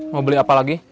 mau beli apa lagi